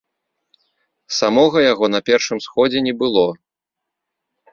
Самога яго на першым сходзе не было.